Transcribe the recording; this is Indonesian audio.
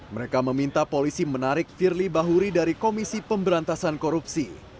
mereka meminta polisi menarik firly bahuri dari komisi pemberantasan korupsi